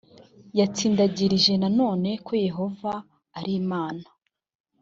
yatsindagirije nanone ko yehova ari imana